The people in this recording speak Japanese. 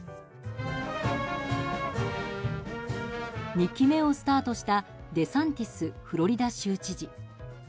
２期目をスタートしたデサンティスフロリダ州知事。